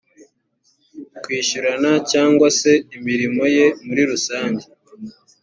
kwishyurana cyangwa se imirimo ye muri rusange